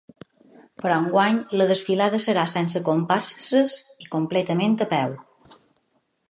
Però enguany la desfilada serà sense comparses i completament a peu.